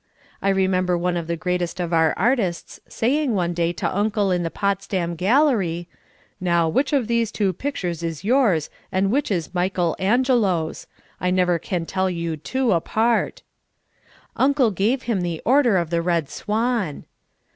I remember one of the greatest of our artists saying one day to Uncle in the Potsdam Gallery, "Now, which of these two pictures is yours and which is Michel Angelo's: I never can tell you two apart." Uncle gave him the order of the Red Swan.